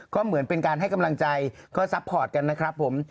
ก็เหมือนเป็นการให้กำลังใจก็ซัพพอร์ตกันนะครับผม